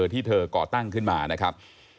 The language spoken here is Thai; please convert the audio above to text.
ที่เธอก่อตั้งขึ้นมานะครับ